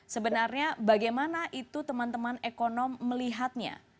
sebenarnya bagaimana itu teman teman ekonom melihatnya